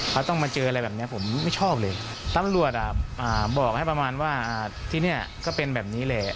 เขาต้องมาเจออะไรแบบนี้ผมไม่ชอบเลยตำรวจอ่ะบอกให้ประมาณว่าที่นี่ก็เป็นแบบนี้แหละ